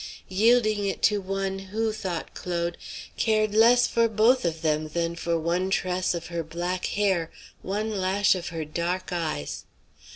yielding it to one who, thought Claude, cared less for both of them than for one tress of her black hair, one lash of her dark eyes.